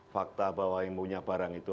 fakta bahwa yang punya barang itu